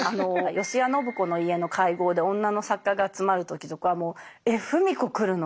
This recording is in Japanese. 吉屋信子の家の会合で女の作家が集まる時とか「えっ芙美子来るの？」